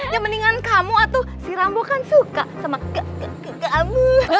ya mendingan kamu atau si rambu kan suka sama kamu